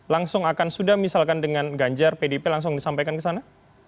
langsung akan sudah misalkan dengan ganjar pdp langsung disampaikan ke sana